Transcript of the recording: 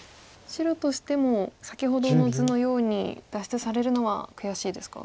白としても先ほどの図のように脱出されるのは悔しいですか？